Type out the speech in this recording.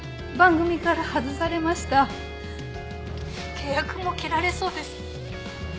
契約も切られそうです。